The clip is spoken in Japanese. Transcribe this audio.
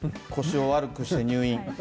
腰を悪くして入院。